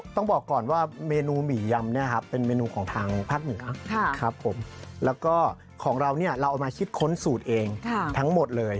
ต้องบอกก่อนว่าเมนูหมี่ยำเนี่ยครับเป็นเมนูของทางภาคเหนือครับผมแล้วก็ของเราเนี่ยเราเอามาคิดค้นสูตรเองทั้งหมดเลย